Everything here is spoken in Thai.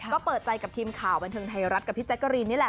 ก็เปิดใจกับทีมข่าวบันเทิงไทยรัฐกับพี่แจ๊กกะรีนนี่แหละ